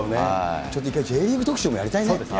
ちょっと１回、Ｊリーグ特集もやりたいね。